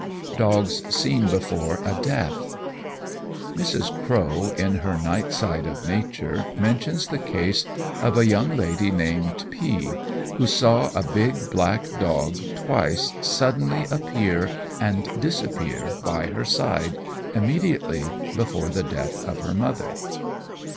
Dogs seen before a Death Mrs. Crowe, in her Night Side of Nature, mentions the case of a young lady named P , who saw a big black dog twice suddenly appear and disappear by her side, immediately before the death of her mother.